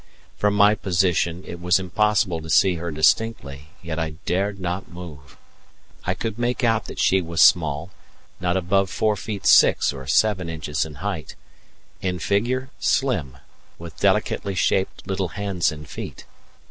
From my position it was impossible to see her distinctly, yet I dared not move. I could make out that she was small, not above four feet six or seven inches in height, in figure slim, with delicately shaped little hands and feet.